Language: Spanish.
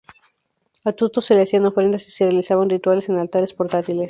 A Tutu se le hacían ofrendas y se realizaban rituales en altares portátiles.